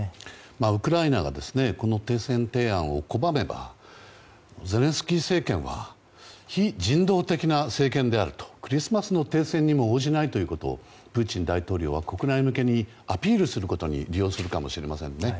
ウクライナが停戦提案を拒めば、ゼレンスキー政権は非人道的な政権であるとクリスマスの停戦にも応じないということをプーチン大統領は国内向けにアピールすることに利用するかもしれませんね。